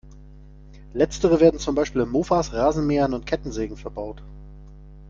Letztere werden zum Beispiel in Mofas, Rasenmähern und Kettensägen verbaut.